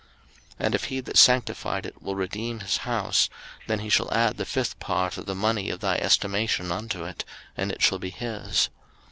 03:027:015 And if he that sanctified it will redeem his house, then he shall add the fifth part of the money of thy estimation unto it, and it shall be his.